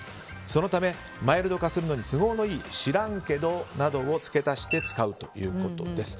そのためマイルド化するのに都合のいい知らんけどなどを付け足して使うということです。